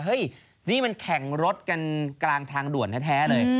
เฮ้ยนี่มันแข่งรถกันกลางทางด่วนแท้เลย